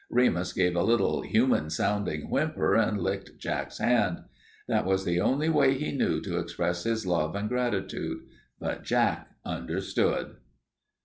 Remus gave a little, human sounding whimper and licked Jack's hand. That was the only way he knew to express his love and gratitude, but Jack understood.